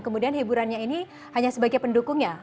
kemudian hiburannya ini hanya sebagai pendukungnya